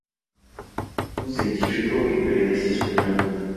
Es un científico y periodista español.